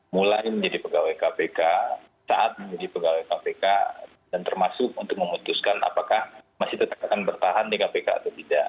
mulai menjadi pegawai kpk saat menjadi pegawai kpk dan termasuk untuk memutuskan apakah masih tetap akan bertahan di kpk atau tidak